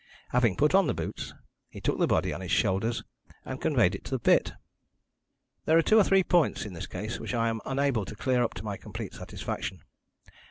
Having put on the boots, he took the body on his shoulders and conveyed it to the pit. "There are two or three points in this case which I am unable to clear up to my complete satisfaction.